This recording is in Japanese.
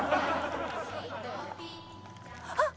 あっ！